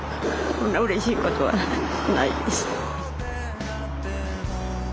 こんなうれしいことはないです。